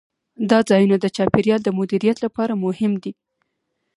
دا ځایونه د چاپیریال د مدیریت لپاره مهم دي.